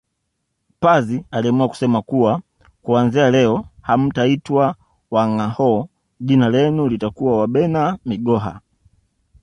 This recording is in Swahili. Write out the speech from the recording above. Pazi aliamua kusema kuwa kuanzia leo hamtaitwa Wangâhoo jina lenu litakuwa Wabena migoha